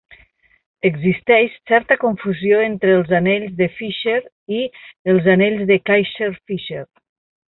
Existeix certa confusió entre els anells de Fleischer i els anells de Kayser-Fleischer.